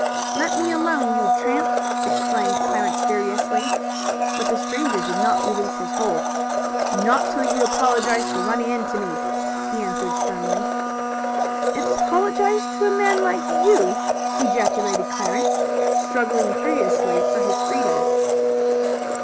"Let me alone, you tramp!" exclaimed Clarence furiously. But the stranger did not release his hold. "Not till you apologize for running into me," he answered sternly. "Apologize to a man like you!" ejaculated Clarence, struggling furiously for his freedom.